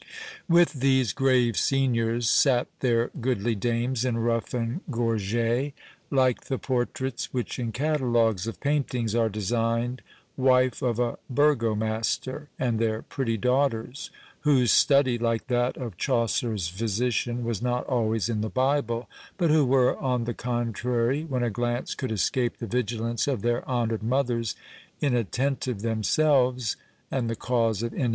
With these grave seniors sate their goodly dames in ruff and gorget, like the portraits which in catalogues of paintings are designed "wife of a burgomaster;" and their pretty daughters, whose study, like that of Chaucer's physician, was not always in the Bible, but who were, on the contrary, when a glance could escape the vigilance of their honoured mothers, inattentive themselves, and the cause of inattention in others.